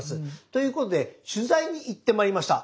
ということで取材に行ってまいりました。